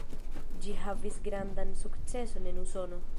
Ĝi havis grandan sukceson en Usono.